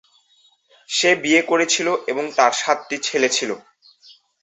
সে বিয়ে করেছিল এবং তার সাতটি ছেলে ছিল।